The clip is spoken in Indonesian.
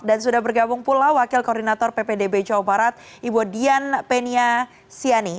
dan sudah bergabung pula wakil koordinator ppdb jawa barat ibu dian penia siani